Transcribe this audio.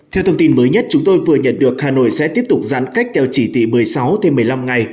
theo thông tin mới nhất chúng tôi vừa nhận được hà nội sẽ tiếp tục giãn cách theo chỉ thị một mươi sáu thêm một mươi năm ngày